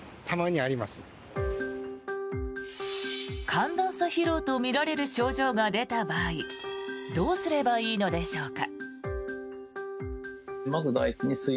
寒暖差疲労とみられる症状が出た場合どうすればいいのでしょうか。